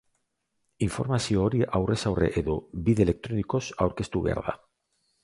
Informazio hori aurrez aurre edo bide elektronikoz aurkeztu behar da.